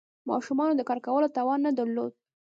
ماشومانو د کار کولو توان نه درلود.